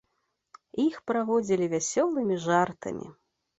Іх праводзілі вясёлымі жартамі.